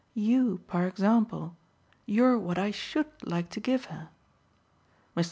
You, par exemple, you're what I SHOULD like to give her." Mr.